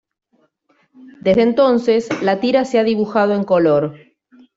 Desde entonces, la tira se ha dibujado en color.